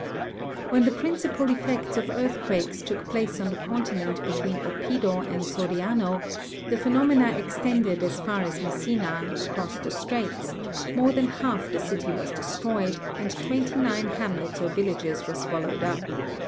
When the principal effects of earthquakes took place on the continent between Oppido and Soriano, the phenomena extended as far as Messina, across the straits ; more than half the city was destroyed, and twenty nine hamlets or villages were swallowed up.